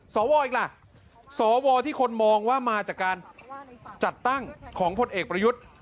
สวอีกล่ะสวที่คนมองว่ามาจากการจัดตั้งของพลเอกประยุทธ์